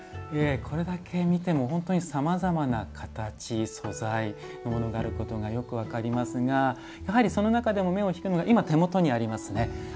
これだけ見ても本当にさまざまな形素材のものがあることがよく分かりますがやはりその中でも目を引くのが今手元にありますね。